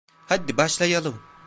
Hadi başlayalım.